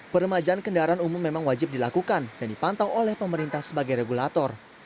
peremajaan kendaraan umum memang wajib dilakukan dan dipantau oleh pemerintah sebagai regulator